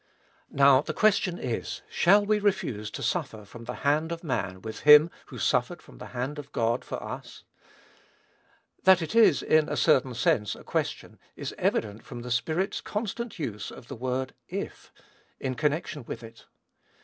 Now, the question is, Shall we refuse to suffer from the hand of man with him who suffered from the hand of God for us? That it is, in a certain sense, a question is evident from the Spirit's constant use of the word "if," in connection with it.